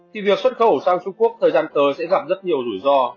thì việc xuất khẩu sang trung quốc thời gian tới sẽ gặp rất nhiều rủi ro